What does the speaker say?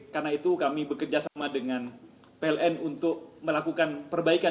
karena itu kami bekerjasama dengan pln untuk melakukan perbaikan